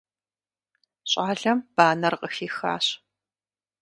Щӏалэм банэр къыхихащ.